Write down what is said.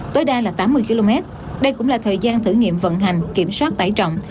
tối đa là tám mươi km đây cũng là thời gian thử nghiệm vận hành kiểm soát tải trọng